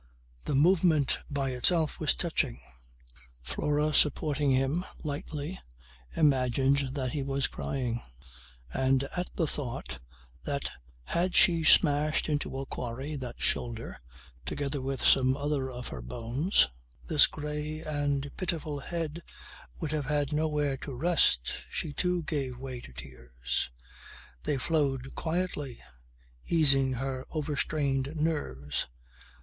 The movement by itself was touching. Flora supporting him lightly imagined that he was crying; and at the thought that had she smashed in a quarry that shoulder, together with some other of her bones, this grey and pitiful head would have had nowhere to rest, she too gave way to tears. They flowed quietly, easing her overstrained nerves.